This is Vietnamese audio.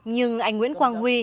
nhưng anh nguyễn quang huy